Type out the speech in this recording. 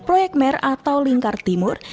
proyek mer atau lingkar timur